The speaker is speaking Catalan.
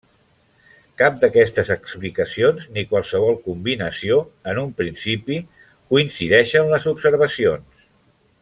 Cap d'aquestes explicacions, ni qualsevol combinació, en un principi coincideixen les observacions.